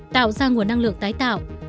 tạo ra nguồn năng lượng tái tạo